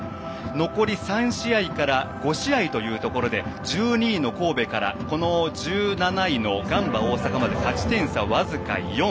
残り３試合から５試合というところで１２位の神戸からこの１７位のガンバ大阪まで勝ち点差、僅か４。